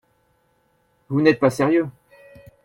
Vous n’êtes pas sérieux